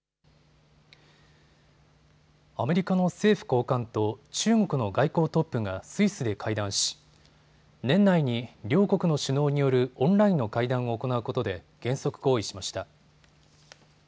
アメリカの政府高官と中国の外交トップがスイスで会談し年内に両国の首脳によるオンラインの会談を行うことで原則合意しました。